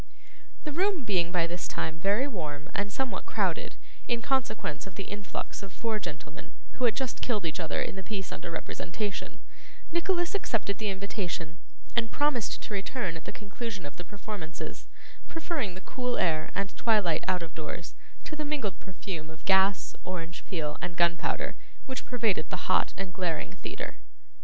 The room being by this time very warm and somewhat crowded, in consequence of the influx of four gentlemen, who had just killed each other in the piece under representation, Nicholas accepted the invitation, and promised to return at the conclusion of the performances; preferring the cool air and twilight out of doors to the mingled perfume of gas, orange peel, and gunpowder, which pervaded the hot and glaring theatre.